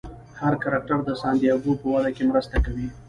هر کرکټر د سانتیاګو په وده کې مرسته کوي.